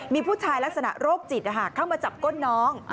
มีผู้ชายลักษณะโรคจิตเข้ามาจับก้นน้อง